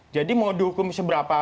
jadi mau dihukum seberapa